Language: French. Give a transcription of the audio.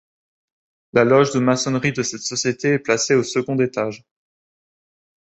La loge de maçonnerie de cette société est placée au second étage.